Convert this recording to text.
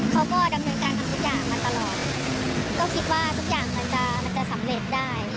เขาก็ดำเนินการทำทุกอย่างมาตลอดก็คิดว่าทุกอย่างมันจะมันจะสำเร็จได้